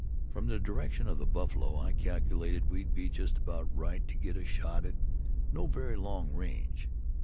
From the direction of the buffalo, I calculated we'd be just about right to get a shot at no very long range.